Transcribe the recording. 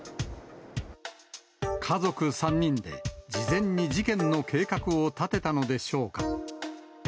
家族３人で、事前に事件の計画を立てたのでしょうか。